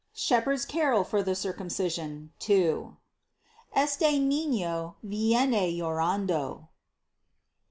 SHEPHERDS' CAROL FOR THE CIRCUMCISION. Este Niño viene llorando.